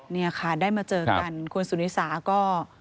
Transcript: นี่ค่ะได้มาเจอกันคุณสุนิสาก็